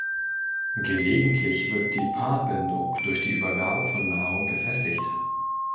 Gelegentlich wird die Paarbindung durch die Übergabe von Nahrung gefestigt.